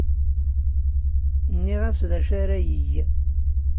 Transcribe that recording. Nniɣ-as d acu ara yeg.